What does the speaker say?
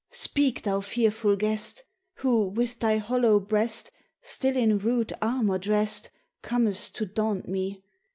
speak! thou fearful guest! Who, with thy hollow breast Still in rude armor dressed, Comest to daunt me!